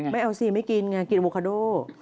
ไม่เอาสิไม่กินไงกินโอโมคาโด